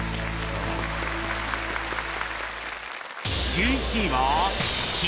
１１位は